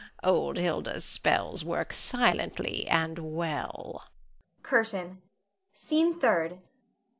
old Hilda's spells work silently and well. CURTAIN. SCENE THIRD.